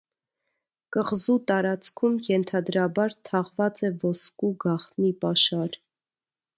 Կղզու տարածքում ենթադրաբար թաղված է ոսկու գաղտնի պաշար։